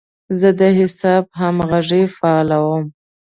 زه د حساب همغږي فعالوم.